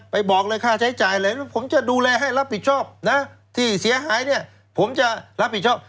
ผมจะดูแลให้รับผิดชอบนะที่เสียหายเนี่ยผมจะรับผิดชอบ